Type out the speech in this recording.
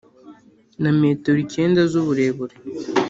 na metero icyenda z'uburebure